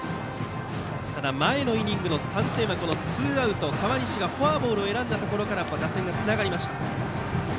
ただ、前のイニングの３点はツーアウトで、河西がフォアボールを選んだところから打線がつながりました。